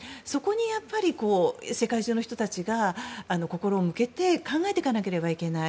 やっぱりそこに世界中の人たちが心を向けて考えなければいけない。